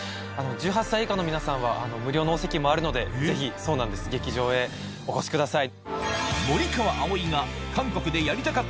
１８歳以下の皆さんは無料のお席もあるのでぜひ劇場へお越しください。